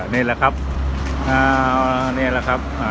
นี่แหละครับ